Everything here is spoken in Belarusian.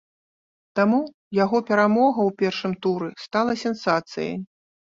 Таму, яго перамога ў першым туры стала сенсацыяй.